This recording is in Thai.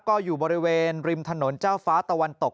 ก็อยู่บริเวณริมถนนเจ้าฟ้าตะวันตก